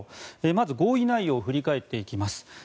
まず合意内容を振り返っていきます。